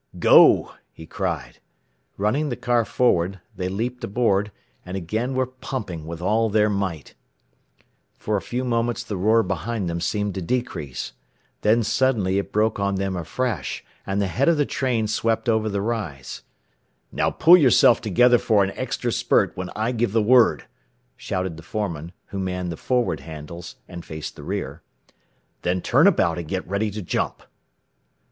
"Go!" he cried. Running the car forward, they leaped aboard, and again were pumping with all their might. [Illustration: THE ENGINEER STEPPED DOWN FROM HIS CAB TO GRASP ALEX'S HAND.] For a few moments the roar behind them seemed to decrease. Then suddenly it broke on them afresh, and the head of the train swept over the rise. "Now pull yourself together for an extra spurt when I give the word," shouted the foreman, who manned the forward handles, and faced the rear, "then turn about and get ready to jump."